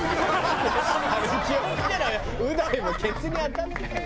う大もケツに当たってたよ。